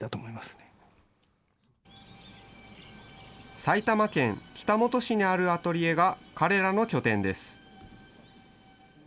埼玉県北本市にあるアトリエが、彼らの拠点です。